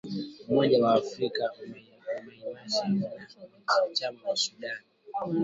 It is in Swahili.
Umoja wa Afrika umeisimamisha uanachama wa Sudan